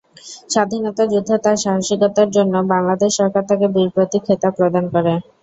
স্বাধীনতা যুদ্ধে তার সাহসিকতার জন্য বাংলাদেশ সরকার তাকে বীর প্রতীক খেতাব প্রদান করে।